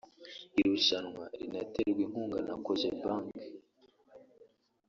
irushanwa rinaterwa inkunga na Cogebanque